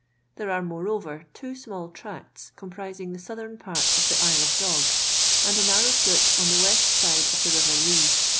I There are, moreover, two small tracts. c.:>n: , i)ri. ,ing the southeni part of the Isle of Do ra, and a narrow slip on the west side of the river Lea